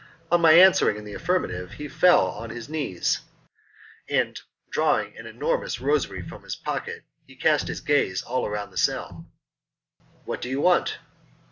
On my answering in the affirmative he fell on his knees, and drawing an enormous rosary from his pocket he cast his gaze all round the cell. "What do you want?"